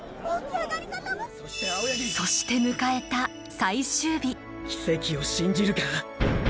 そして迎えた奇跡を信じるか？